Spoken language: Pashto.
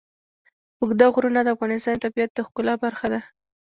اوږده غرونه د افغانستان د طبیعت د ښکلا برخه ده.